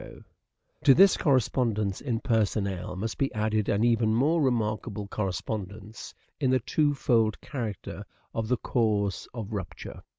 Othello's To this correspondence in personnel must be added an even more remarkable correspondence in the two fold character of the cause of rupture.